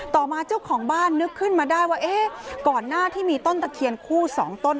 ต่อมาเจ้าของบ้านนึกขึ้นมาได้ว่าเอ๊ะก่อนหน้าที่มีต้นตะเคียนคู่สองต้น